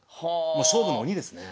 もう勝負の鬼ですね。